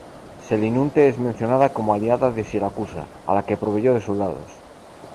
Selinunte es mencionada como aliada de Siracusa, a la que proveyó de soldados.